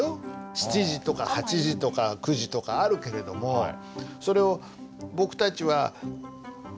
７時とか８時とか９時とかあるけれどもそれを僕たちは考える事できないよね